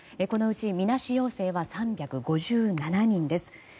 このうちみなし陽性は３５７人です。